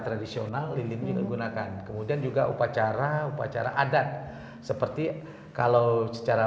tradisional lilin juga digunakan kemudian juga upacara upacara adat seperti kalau secara